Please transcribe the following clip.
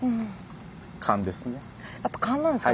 やっぱ勘なんですか？